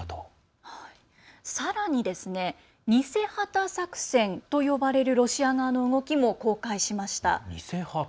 さらに偽旗作戦と呼ばれるロシア側の動きも公開しました。